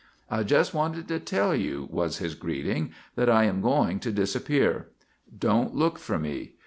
"I just wanted to tell you," was his greeting, "that I am going to disappear. Don't look for me.